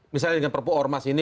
misalnya dengan perpu ormas ini